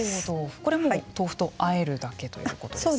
これも豆腐とあえるだけということですか。